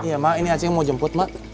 iya mak ini aceh mau jemput mak